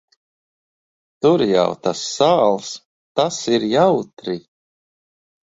Tur jau tas sāls. Tas ir jautri.